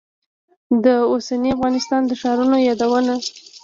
د اوسني افغانستان د ښارونو یادونه.